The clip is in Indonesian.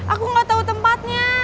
aku gak tahu tempatnya